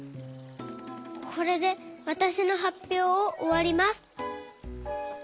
これでわたしのはっぴょうをおわります。